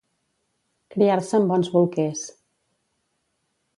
Criar-se en bons bolquers.